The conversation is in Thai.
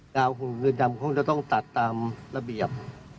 ยาวขุมเงินดำคงจะต้องตัดตามระเบียบ